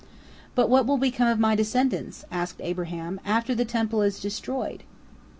"But what will become of my descendants," asked Abraham, "after the Temple is destroyed?"